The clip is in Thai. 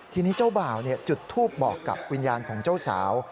ทีนี้เจ้าบ่าวจุดทูปบอกกับวิญญาณของเจ้าสาว